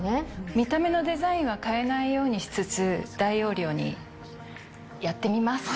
見た目のデザインは変えないようにしつつ大容量にやってみます。